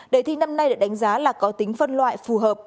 đề thi năm nay được đánh giá là có tính phân loại phù hợp